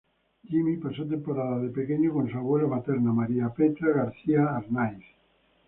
Jimmy pasó temporadas de pequeño con su abuela materna, María Petra García-Arnaiz.